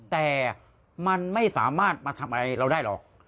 แต่มันไม่สามารถมาทำอะไรเราได้หรอก